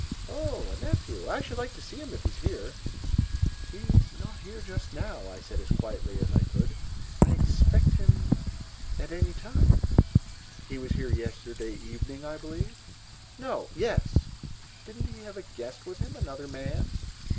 "Oh, a nephew. I should like to see him, if he is here." "He is not here just now," I said as quietly as I could. "I expect him—at any time." "He was here yesterday evening, I believe?" "No—yes." "Didn't he have a guest with him? Another man?"